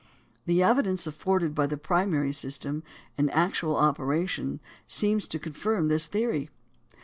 The evidence afforded by the primary system in actual operation seems to confirm this theory.